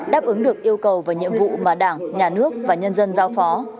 đáp ứng được yêu cầu và nhiệm vụ mà đảng nhà nước và nhân dân giao phó